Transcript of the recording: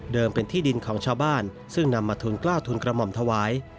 เป็นที่ดินของชาวบ้านซึ่งนำมาทุนกล้าวทุนกระหม่อมถวาย